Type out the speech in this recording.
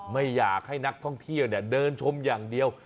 ไม่อยากให้นักท่องเที่ยวเดินชมอย่างเดียว